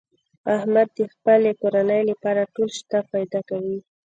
احمد د خپلې کورنۍ لپاره ټول شته فدا کوي.